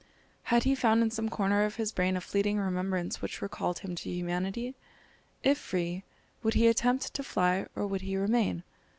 Had he found in some corner of his brain a fleeting remembrance which recalled him to humanity? If free, would he attempt to fly, or would he remain?